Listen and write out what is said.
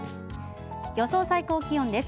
予想最高気温です。